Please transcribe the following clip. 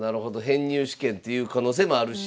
編入試験っていう可能性もあるし。